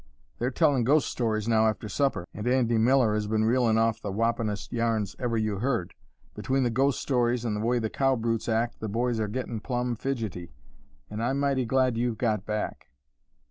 They're tellin' ghost stories now after supper, and Andy Miller has been reelin' off the whoppin'est yarns ever you heard. Between the ghost stories and the way the cow brutes act the boys are gettin' plumb fidgety, and I'm mighty glad you've got back."